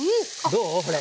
どうほれ。